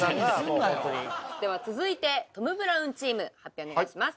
では続いてトム・ブラウンチーム発表お願いします